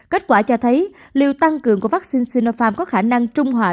kết quả cho thấy liều tăng cường của vaccine sinopharm có khả năng trung hoại